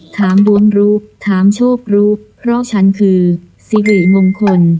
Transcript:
ถามดวงรู้ถามโชครู้เพราะฉันคือสิริมงคล